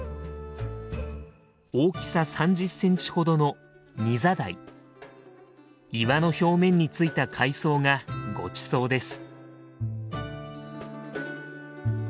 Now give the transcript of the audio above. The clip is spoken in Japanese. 大きさ３０センチほどの岩の表面についた海藻がごちそうです。